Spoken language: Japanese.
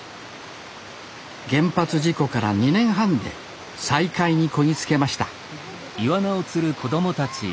原発事故から２年半で再開にこぎつけました離すよ